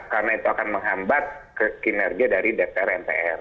karena itu akan menghambat kinerja dari dpr npr